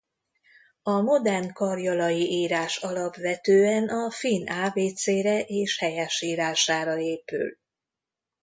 A modern karjalai írás alapvetően a finn ábécére és helyesírására épül.